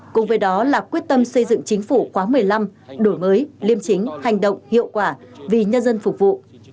cùng với đó là quyết tâm xây dựng chính phủ khóa một mươi năm đổi mới liêm chính hành động hiệu quả vì nhân dân phục vụ